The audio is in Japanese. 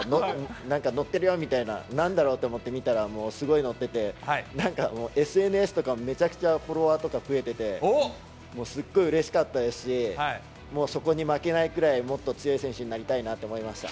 なんか載ってるよみたいな、なんだろうと思って見たら、もうすごい載ってて、なんかもう、ＳＮＳとかめちゃくちゃフォロワーとか増えてて、もうすっごいうれしかったですし、もうそこに負けないくらい、もっと強い選手になりたいなと思いました。